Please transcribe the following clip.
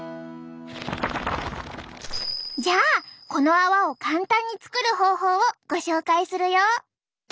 じゃあこの泡を簡単に作る方法をご紹介するよ。